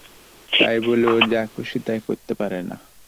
তাই বলে ও যা খুশি তাই করতে পারে না।